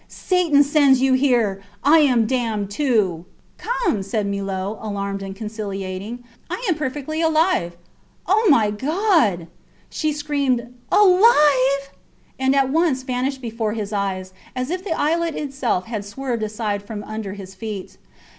Satan sends you here. I am damned too! Come, said Millot, alarmed and conciliating. I am perfectly alive! ... Oh, my God! She had screamed, Alive! and at once vanished before his eyes, as if the islet itself had swerved aside from under her feet.